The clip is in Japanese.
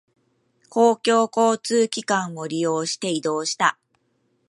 公共交通機関を利用して移動した。